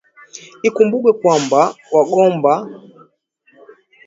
Ikumbukwe kwamba wagoma ni Kabila La wamanyema Kwasababu Wamanyema ni Mkusanyiko wa makabila zaidi